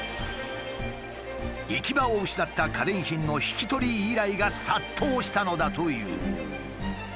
行き場を失った家電品の引き取り依頼が殺到したのだという。